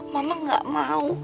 ma enggak mau